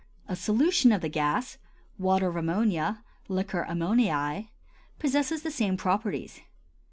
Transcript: A solution of the gas (water of ammonia; liquor ammoniæ) possesses the same properties.